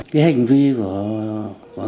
cái hành vi của